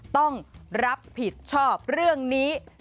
ต้องรับผิดชอบเรื่องนี้